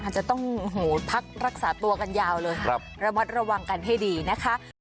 จะต้องพักรักษาตัวกันยาวเลยระมัดระวังกันให้ดีนะคะ